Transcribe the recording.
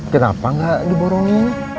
kenapa gak diborongin